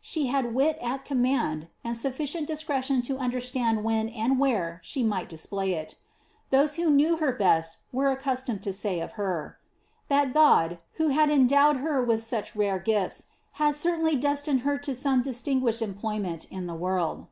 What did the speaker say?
She had wit at command, and sufficient discretion to understand when and where she might dispby it. Those who knew her best were accns tomed to say of her, ^ that God, who had endowed her with such rare giAs, had certainly destined her to some distinguished employment in the world.''